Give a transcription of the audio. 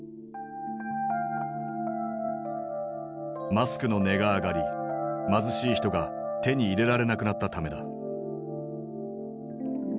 マスクの値が上がり貧しい人が手に入れられなくなったためだ。